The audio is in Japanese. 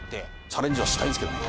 チャレンジはしたいんですけどね。